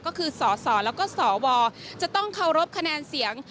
ก็คือสสแล้วก็สวจะต้องเคารพคะแนนเสียง